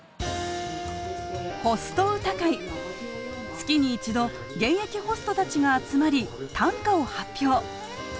月に１度現役ホストたちが集まり短歌を発表。